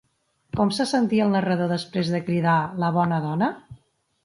Com se sentia el narrador després de cridar la bona dona?